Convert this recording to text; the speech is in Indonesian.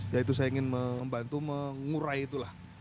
yaitu saya ingin membantu mengurai itulah